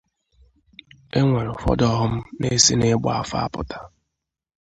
e nwere ụfọdụ ọghọm na-esi n'ịgba afa apụta